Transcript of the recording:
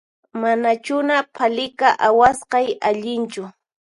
Manachuna phalika awasqay allinchu